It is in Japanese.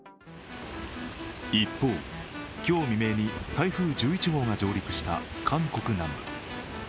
一方、今日未明に台風１１号が上陸した韓国南部。